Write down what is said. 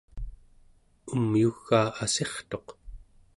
umyugaa assirtuq